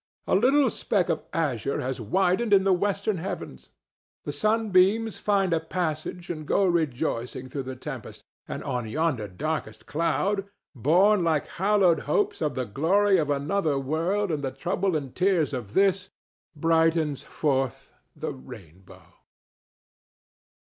A little speck of azure has widened in the western heavens; the sunbeams find a passage and go rejoicing through the tempest, and on yonder darkest cloud, born like hallowed hopes of the glory of another world and the trouble and tears of this, brightens forth the rainbow.